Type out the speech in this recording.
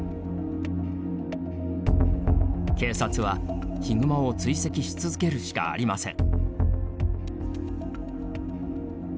警察は、ヒグマを追跡し続けるしかありません。